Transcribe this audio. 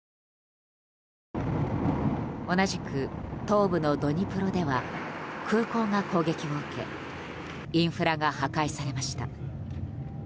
同じく東部のドニプロでは空港が攻撃を受けインフラが破壊されました。